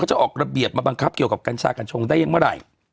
จะออกระเบียบมาบังคับเกี่ยวกับกัญชากัญชงได้ยังเมื่อไหร่